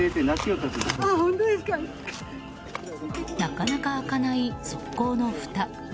なかなか開かない側溝のふた。